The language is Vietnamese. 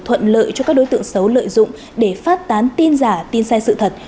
thuận lợi cho các đối tượng xấu lợi dụng để phát tán tin giả tin sai sự thật